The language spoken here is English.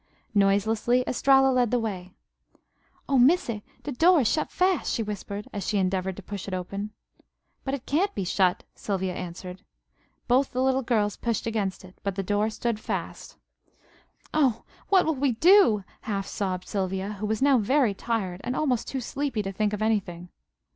Noiselessly Estralla led the way. "Oh, Missy! de door is shut fas'," she whispered, as she endeavored to push it open. "But it can't be shut," Sylvia answered. Both the little girls pushed against it, but the door stood fast. "Oh! What will we do?" half sobbed Sylvia, who was now very tired, and almost too sleepy to think of anything.